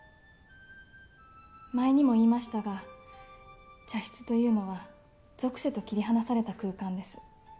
前にも言いましたが茶室というのは俗世と切り離された空間です。